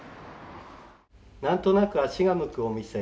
なんとなく足が向くお店。